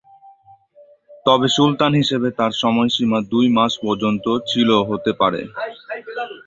তবে সুলতান হিসেবে তার সময়সীমা দুই মাস পর্যন্ত ছিল হতে পারে।